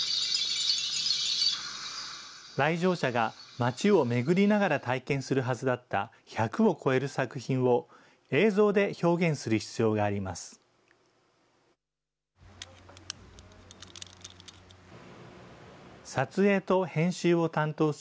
来場者が町を巡りながら体験するはずだった１００を超える作品を、映像で表現する必要があります。